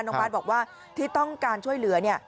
น้องบาทบอกว่าที่ต้องการช่วยเหลือ